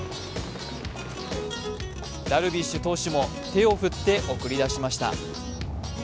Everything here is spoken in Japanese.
ダルビッシュ投手も手を振って送り出しました。